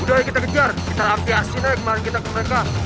udah ayo kita kejar kita rampi asin aja kemaren kita ke mereka